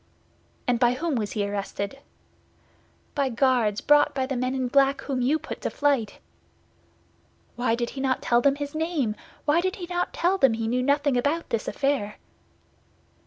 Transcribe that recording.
"And by whom was he arrested?" "By Guards brought by the men in black whom you put to flight." "Why did he not tell them his name? Why did he not tell them he knew nothing about this affair?"